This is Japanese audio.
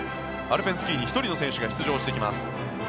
アルペンスキーに１人の選手が出場してきます。